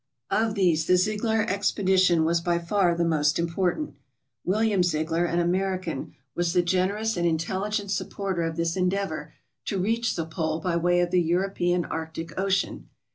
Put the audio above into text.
Of these, the Ziegler expedition was by far the most impor tant. William Ziegler, an American, was the generous and intelligent supporter of this endeavor to reach the pole by way of the European Arctic Ocean.